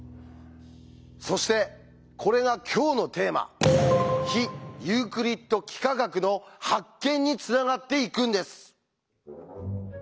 そしてこれが今日のテーマ「非ユークリッド幾何学」の発見につながっていくんです。